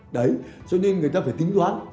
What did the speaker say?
đấy cho nên người ta phải tính toán